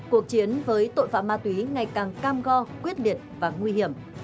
cuộc chiến với tội phạm ma túy ngày càng cam go quyết liệt và nguy hiểm